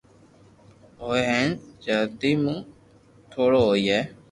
ھوئي ھين جلدو مون ئورو ھوئي